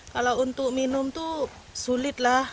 kalau untuk minum tuh sulit lah